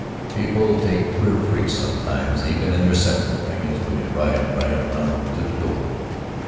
"People take queer freaks sometimes, even in their senses. I guess we can ride right around to the door."